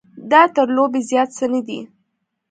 دا تر لوبې زیات څه نه دی.